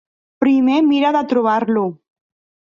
Primer mira de trobar-lo.